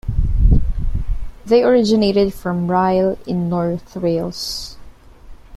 They originated from Rhyl in North Wales.